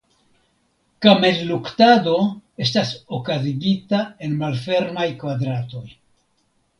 Kamelluktado estas okazigita en malfermaj kvadratoj.